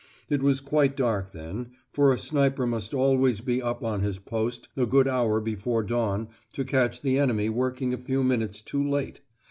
It was quite dark then, for a sniper must always be up on his post a good hour before dawn to catch the enemy working a few minutes too late.